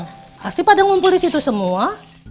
pasti pada ngumpul di situ semua